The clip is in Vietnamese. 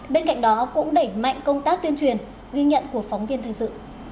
bên cạnh đó cũng đẩy mạnh công tác tuyên truyền ghi nhận của phóng viên thành sự